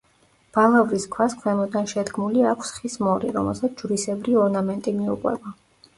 ბალავრის ქვას ქვემოდან შედგმული აქვს ხის მორი, რომელსაც ჯვრისებრი ორნამენტი მიუყვება.